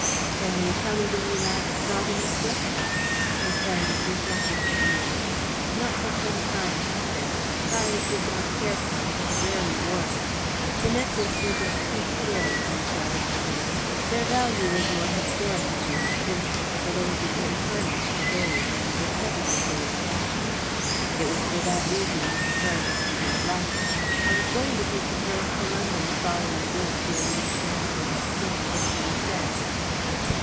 "Can you tell me when you last saw the necklace?" Miss Heredith reflected for a moment. "Not for some time," she said. "Violet did not care for it, and rarely wore it." "The necklace was of pink pearls," Musard explained. "Their value was more historical than intrinsic, for they had become tarnished with age, and the setting was old fashioned. It was for that reason Mrs. Heredith did not like it. I was going to take the pearls to London the following day to arrange to have them skinned and reset."